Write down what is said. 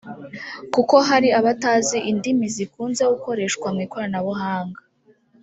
kuko hari abatazi indimi zikunze gukoreshwa mu ikoranabuhanga